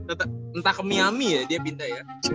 entah ke miami ya dia pindah ya